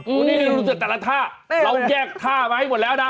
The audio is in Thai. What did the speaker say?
อืมนี่รู้สึกว่าแต่ละท่าเราแยกท่าไหมหมดแล้วนะ